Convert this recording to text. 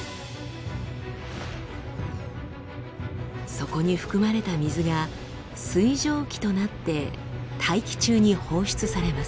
そこに含まれた水が水蒸気となって大気中に放出されます。